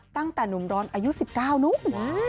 ตั้งแต่หนุ่มดรอายุ๑๙นุ้ง